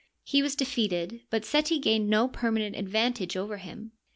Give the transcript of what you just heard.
He was defeated, but Seti gained no permanent advantage over him.